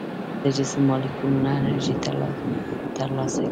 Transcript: د جسم مالیکولونه انرژي تر لاسه کوي.